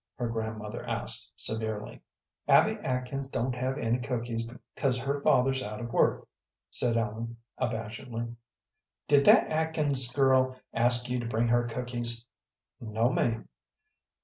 her grandmother asked, severely. "Abby Atkins don't have any cookies 'cause her father's out of work," said Ellen, abashedly. "Did that Atkins girl ask you to bring her cookies?" "No, ma'am."